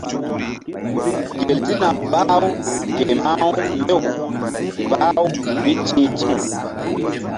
Gel sina bah-u ke mah-u mbew bah-u mí ti̧h ti̧w.